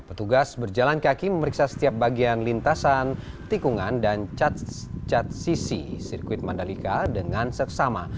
petugas berjalan kaki memeriksa setiap bagian lintasan tikungan dan cat cat sisi sirkuit mandalika dengan seksama